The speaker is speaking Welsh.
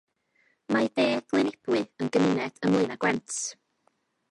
Mae De Glynebwy yn gymuned ym Mlaenau Gwent.